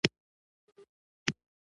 زمانشاه د کابل پر تخت کښېناست.